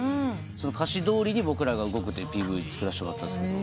その歌詞どおりに僕らが動くってＰＶ作らせてもらったんです。